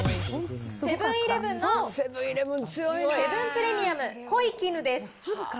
セブンイレブンのセブンプレミアム濃い絹です。